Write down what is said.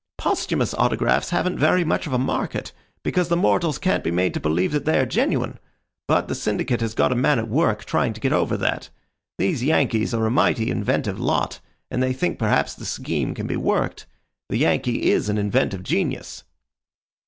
Posthumous autographs haven't very much of a market, because the mortals can't be made to believe that they are genuine; but the syndicate has got a man at work trying to get over that. These Yankees are a mighty inventive lot, and they think perhaps the scheme can be worked. The Yankee is an inventive genius."